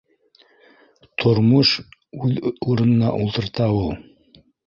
Тормош уҙ урынына ултырта ул